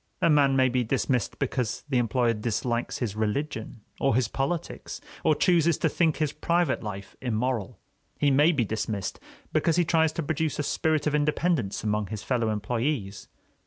A man may be dismissed because the employer dislikes his religion or his politics, or chooses to think his private life immoral. He may be dismissed because he tries to produce a spirit of independence among his fellow employees.